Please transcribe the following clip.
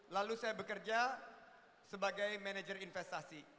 lalu saya bekerja sebagai manajer investasi